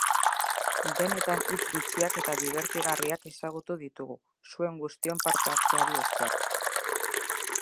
Benetan hitz bitxiak eta dibertigarriak ezagutu ditugu, zuen guztion parte-hartzeari esker.